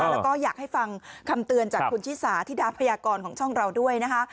แล้วก็อยากให้ฟังคำเตือนจากคุณชิสาธิดาพยากรของช่องเราด้วยนะคะ